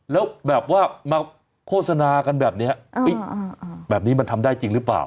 แล้วแบบว่ามาโฆษณากันแบบนี้แบบนี้มันทำได้จริงหรือเปล่า